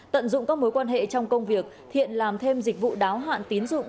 tận dụng các mối quan hệ trong công việc thiện làm thêm dịch vụ đáo hạn tín dụng